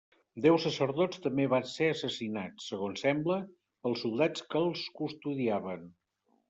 Deu sacerdots també van ser assassinats, segons sembla, pels soldats que els custodiaven.